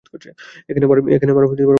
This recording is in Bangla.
এখানে আমার ভালো ঠেকছে না।